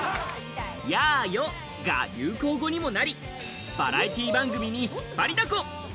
やよが流行語にもなり、バラエティー番組に引っ張りだこ。